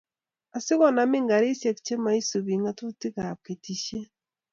Asikonam garisiek che moisubi ngatutikab ketisiet